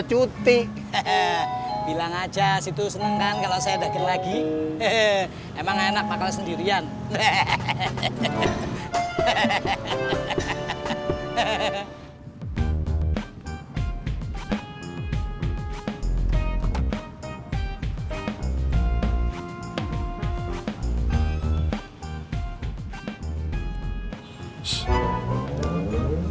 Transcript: cuti hehehe bilang aja situ seneng kan kalau saya lagi hehehe emang enak pakai sendirian hehehe hehehe